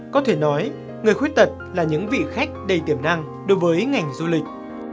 có thể nói người khuyết tật là những vị khách đầy tiềm năng đối với ngành du lịch